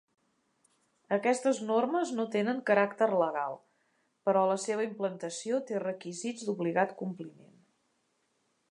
Aquestes normes no tenen caràcter legal, però la seva implantació té requisits d'obligat compliment.